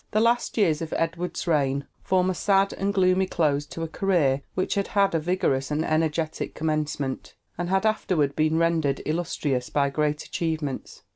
The last years of Edward's reign form a sad and gloomy close to a career which had had a vigorous and energetic commencement, and had afterward been rendered illustrious by great achievements.